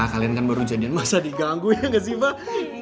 kalian kan baru jadian masa diganggu ya gak sih mbak